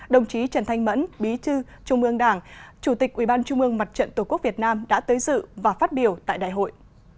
đồng chí trần thanh mẫn bí thư trung ương đảng chủ tịch ủy ban trung ương mặt trận tổ quốc việt nam đã tới dự và phát biểu tại đại hội